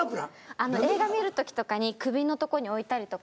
あの映画見る時とかに首のとこに置いたりとか。